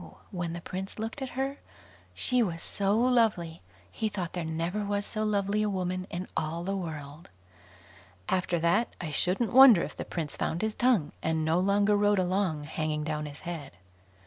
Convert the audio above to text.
when the Prince looked at her, she was so lovely, he thought there never was so lovely a woman in all the world. After that, I shouldn't wonder if the Prince found his tongue, and no longer rode along hanging down his head.